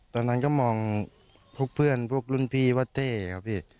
ตอนนั้นก็มองพวกเพื่อนพวกรุ่นพี่ว่าเต้ครับพี่